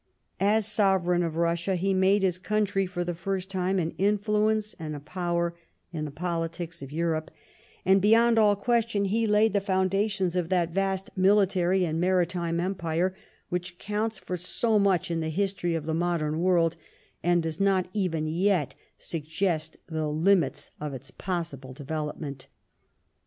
As sovereign of Kussia he made his country for the first time an influence and a power in the politics of Europe, and beyond all question he laid the foundations of that vast military and maritime empire which counts for so much in the history of the modem world, and does not even yet suggest the limits of its possible development.